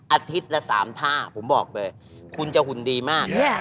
อาทิตย์ละ๓ท่าผมบอกเลยคุณจะหุ่นดีมาก